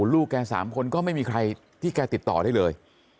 ลูกแก๓คนก็ไม่มีใครที่แกติดต่อได้เลย